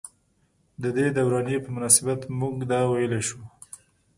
ددې دورانيې پۀ مناسبت مونږدا وئيلی شو ۔